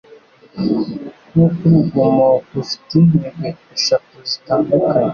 nkuko urugomo rufite intego eshatu zitandukanye